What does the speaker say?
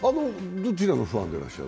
どちらのファンでらっしゃる？